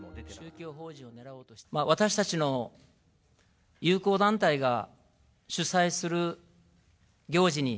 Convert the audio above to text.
私たちの友好団体が主催する行事に、